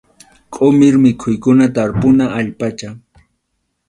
Qʼumir mikhuykuna tarpuna allpacha.